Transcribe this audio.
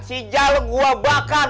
si jaluk gua bakar